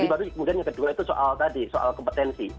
baru kemudian yang kedua itu soal tadi soal kompetensi